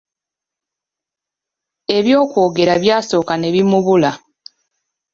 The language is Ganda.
Eby'okwogera byasooka ne bimubula.